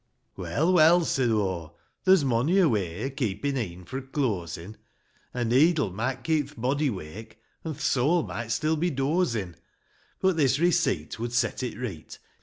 Well, well," said aw, " there's mony a way O' keepin' e'en fro' closin', A needle would keep th' body wake. An' th' soul might still be dozin' :— But this receipt would set it reet.